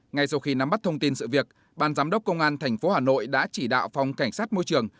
ngay sau khi nắm bắt thông tin sự việc ban giám đốc công an tp hà nội đã chỉ đạo phòng cảnh sát môi trường